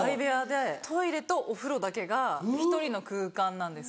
トイレとお風呂だけが１人の空間なんですよ。